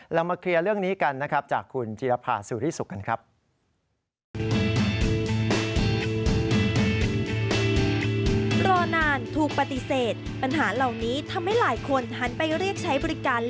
เรามาเคลียร์เรื่องนี้กันนะครับจากคุณจิรภาสุริสุขกันครับ